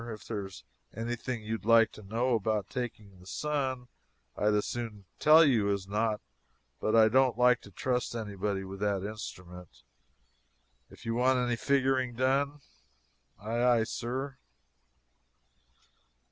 If there's anything you'd like to know about taking the sun, I'd as soon tell you as not but I don't like to trust anybody with that instrument. If you want any figuring done Aye, aye, sir!"